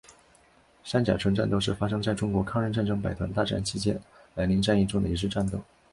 三甲村战斗是发生在中国抗日战争百团大战期间涞灵战役中的一次战斗。